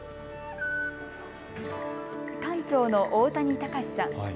館長の大谷貴志さん。